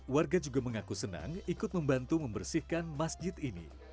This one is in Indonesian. warga juga mengaku senang ikut membantu membersihkan masjid ini